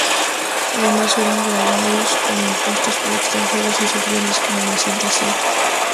Además fueron gravados con impuestos para extranjeros y sufrieron discriminación racial.